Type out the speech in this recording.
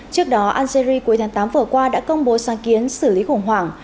trước đó algeria cuối tháng tám vừa qua đã công bố sáng kiến xử lý khủng hoảng